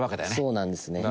そうなんですね。